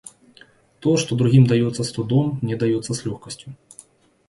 То, что другим дается с трудом, мне дается с легкостью.